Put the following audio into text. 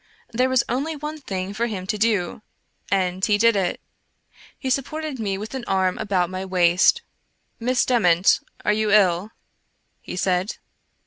There was only one thing for him to do, and he did it ; he sup ported me with an arm about my waist. '* Miss Dement, are you ill?" he said.